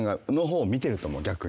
逆に。